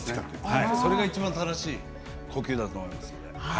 それがいちばん正しい呼吸だと思います。